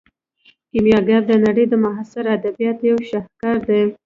کیمیاګر د نړۍ د معاصرو ادبیاتو یو شاهکار دی.